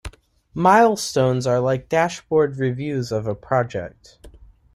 Milestones are like dashboard reviews of a project.